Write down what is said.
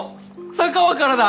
佐川からだ！